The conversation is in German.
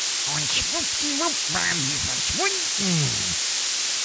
Und schwuppdiwupp waren sie verschwunden.